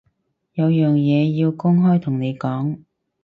我有樣嘢要公開同你講